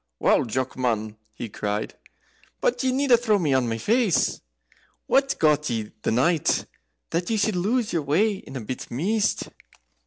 "Wow, Jock, man!" he cried; "but ye needna throw me on my face. What's got ye the night, that you should lose your way in a bit mist?"